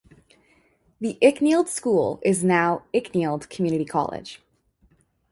The Icknield School is now Icknield Community College.